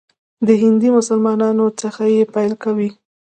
د هندي مسلمانانو څخه یې پیل کوي.